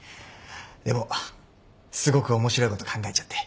でもすごく面白いこと考えちゃって。